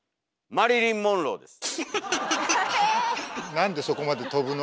なんでそこまで飛ぶの？